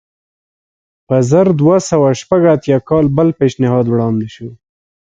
په زر دوه سوه شپږ اتیا کال بل پېشنهاد وړاندې شو.